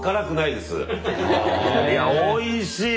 いやおいしい！